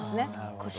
腰。